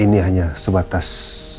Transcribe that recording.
ini hanya sebatas